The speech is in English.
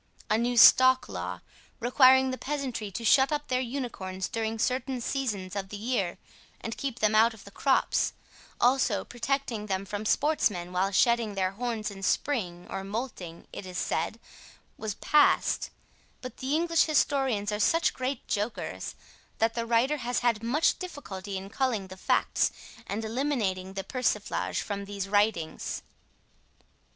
A new stock law, requiring the peasantry to shut up their unicorns during certain seasons of the year and keep them out of the crops, also protecting them from sportsmen while shedding their horns in spring, or moulting, it is said, was passed, but the English historians are such great jokers that the writer has had much difficulty in culling the facts and eliminating the persiflage from these writings.